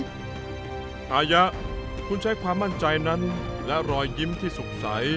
อายะคุณใช้ความมั่นใจนั้นและรอยยิ้มที่สุขใส